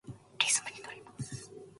リズムにのります。